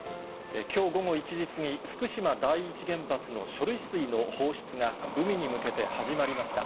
きょう午後１時過ぎ、福島第一原発の処理水の放出が、海に向けて始まりました。